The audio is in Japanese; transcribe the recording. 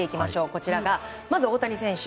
こちらがまず大谷選手。